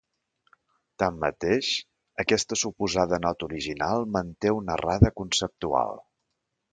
Tanmateix, aquesta suposada nota original manté una errada conceptual.